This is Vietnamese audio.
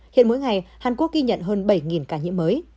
hiện mỗi ngày hàn quốc ghi nhận hơn bảy ca nhiễm mới